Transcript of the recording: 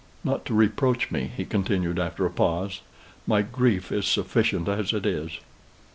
"Not to reproach me," he continued after a pause. "My grief is sufficient as it is."